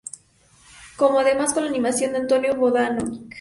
Contó además con la animación de Antonio Vodanovic